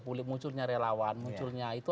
pulih munculnya relawan munculnya itu